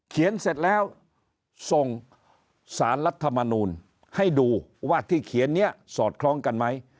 เสร็จแล้วส่งสารรัฐมนูลให้ดูว่าที่เขียนนี้สอดคล้องกันไหม